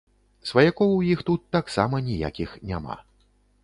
Сваякоў у іх тут таксама ніякіх няма.